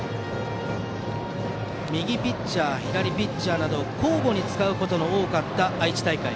右ピッチャー、左ピッチャーなど交互に使うことの多かった愛知大会。